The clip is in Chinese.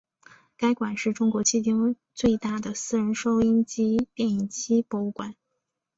该馆是是中国迄今最大的私人收音机电影机博物馆。